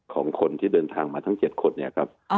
ของคนที่เดินทางมาทั้ง๗คนเนี่ยครับ